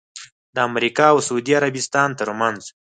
د امریکا اوسعودي عربستان ترمنځ